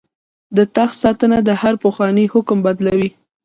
د تخت ساتنه هر پخوانی حکم بدلوي.